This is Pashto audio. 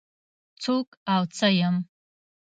څوک او څه يم؟